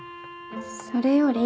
それより。